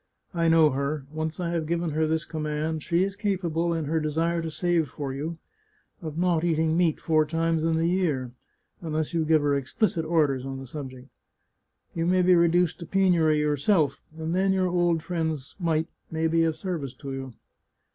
I know her ; once I have given her this command she is capable, in her desire to save for you, of not eating meat four times in the year, unless you give her explicit orders on the subject. You may be reduced to penury yourself, and then your old friend's mite may be of service to you.